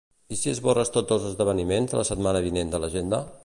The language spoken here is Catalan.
I si esborres tots els esdeveniments de la setmana vinent de l'agenda?